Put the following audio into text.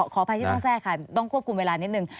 ขออภัยที่ต้องแทรกค่ะต้องควบคุมเวลานิดนึง